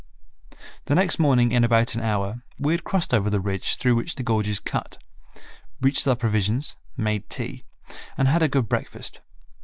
The next morning in about an hour we had crossed over the ridge through which the gorge is cut, reached our provisions, made tea, and had a good breakfast.